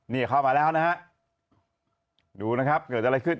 นี่เข้ามาแล้วนะฮะดูนะครับเกิดอะไรขึ้น